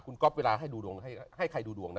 คุณก๊อฟเวลาให้ดูดวงให้ใครดูดวงนะ